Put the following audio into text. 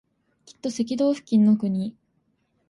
きっと赤道付近の国